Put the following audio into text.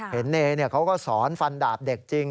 เนยเขาก็สอนฟันดาบเด็กจริง